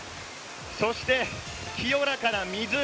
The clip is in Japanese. そして清らかな水。